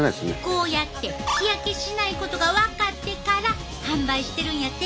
こうやって日焼けしないことが分かってから販売してるんやて。